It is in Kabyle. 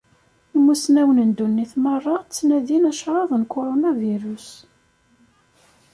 Imusnawen n ddunit meṛṛa ttnadin acraḍ n Kuṛunavirus.